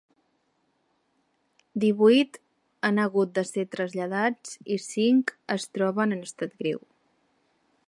Divuit han hagut de ser traslladats i cinc es troben en estat greu.